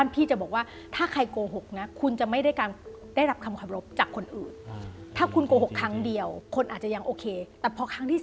พี่ก็น่ารังเกียจเลน